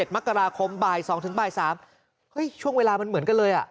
มกราคมบ่าย๒ถึงบ่าย๓เฮ้ยช่วงเวลามันเหมือนกันเลย